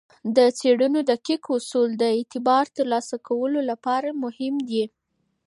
د څیړنو دقیق اصول د اعتبار ترلاسه کولو لپاره مهم دي.